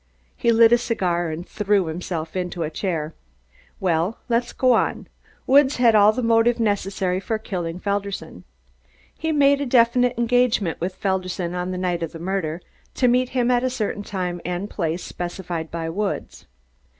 He lit a cigar and threw himself into a chair. "Well, let's go on. Woods had all the motive necessary for killing Felderson. He made a definite engagement with Felderson on the night of the murder, to meet him at a certain time and place specified by Woods.